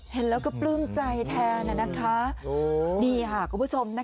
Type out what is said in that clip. เห็นแล้วก็ปลื้มใจแทนนะคะนี่ค่ะคุณผู้ชม